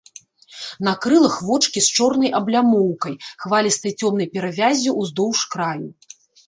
На крылах вочкі з чорнай аблямоўкай, хвалістай цёмнай перавяззю ўздоўж краю.